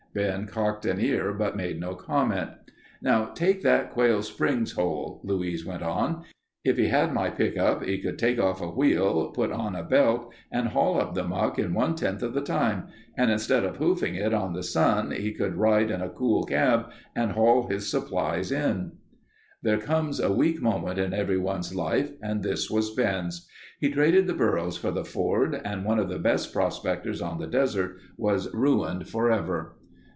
Ben cocked an ear, but made no comment. "Now take that Quail Springs hole," Louise went on. "If he had my pickup he could take off a wheel, put on a belt and haul up the muck in one tenth the time, and instead of hoofing it in the sun he could ride in a cool cab and haul his supplies in." There comes a weak moment in everyone's life and this was Ben's. He traded the burros for the Ford and one of the best prospectors on the desert was ruined forever.